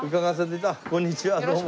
あっこんにちはどうも。